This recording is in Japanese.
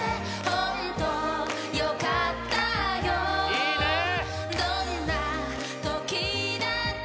いいねえ